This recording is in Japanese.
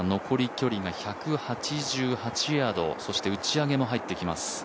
残り距離が１８８ヤード、そして打ち上げも入ってきます。